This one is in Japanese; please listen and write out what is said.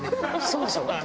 そうでしょ？